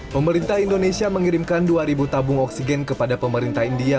pemerintah indonesia mengirimkan dua tabung oksigen kepada pemerintah india